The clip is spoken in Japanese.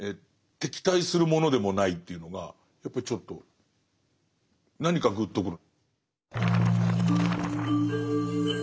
敵対するものでもないというのがやっぱりちょっと何かぐっとくる。